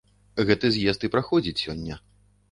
Гэты з'езд і праходзіць сёння.